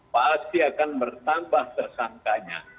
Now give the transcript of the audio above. pasti akan bertambah tersangkanya